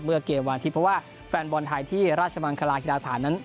เมื่อเกมวันที่เพราะว่าแฟนบอลไทยที่ราชบังคลาฮิตาศาสตร์นั้น